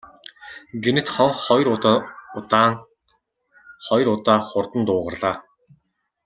Гэнэт хонх хоёр удаа удаан, хоёр удаа хурдан дуугарлаа.